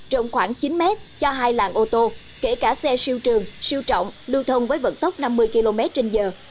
rộng khoảng chín mét cho hai làng ô tô kể cả xe siêu trường siêu trọng lưu thông với vận tốc năm mươi km trên giờ